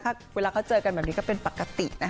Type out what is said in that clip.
ถ้าเวลาเขาเจอกันแบบนี้ก็เป็นปกตินะคะ